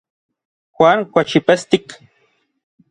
Juan kuaxipestik.